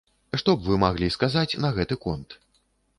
Што б вы маглі сказаць на гэты конт?